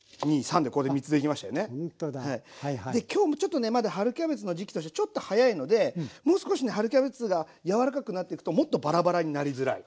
今日ちょっとねまだ春キャベツの時期としてちょっと早いのでもう少しね春キャベツが柔らかくなっていくともっとバラバラになりづらい。